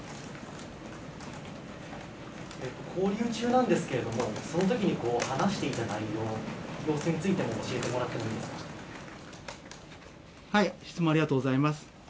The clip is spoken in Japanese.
勾留中なんですけれども、そのときに話していた内容、様子についても教えてもらっていいで質問ありがとうございます。